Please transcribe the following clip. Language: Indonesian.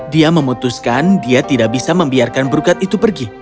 dia memutuskan dia tidak bisa membiarkan berukat itu pergi